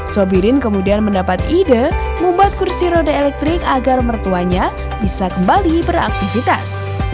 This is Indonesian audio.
sobirin kemudian mendapat ide membuat kursi roda elektrik agar mertuanya bisa kembali beraktivitas